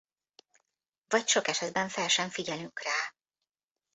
Vagy sok esetben fel sem figyelünk rá.